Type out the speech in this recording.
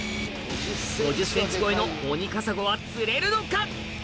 ５０ｃｍ超えのオニカサゴは釣れるのか？